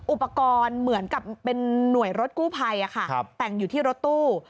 อุปกรณ์เหมือนกับเป็นหน่วยรถกู้ภัยแต่งอยู่ที่รถตู้